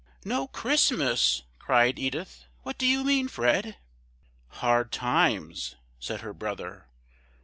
"No Christmas?" cried Edith. "What do you mean, Fred?" "Hard times!" said her brother.